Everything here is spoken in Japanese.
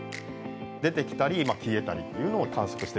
出てきたり消えたりっていうのを観測してるとこなんですね。